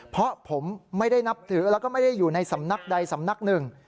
เพราะผมไม่ได้นับถือแล้วก็ไม่ได้อยู่ในสำนักใดสำนักหนึ่ง